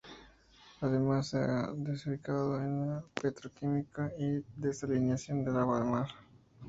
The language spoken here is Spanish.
Además, se ha diversificado en la petroquímica y la desalinización del agua de mar.